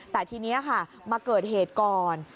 แต่ทีนี้ค่ะมาเกิดเหตุก่อน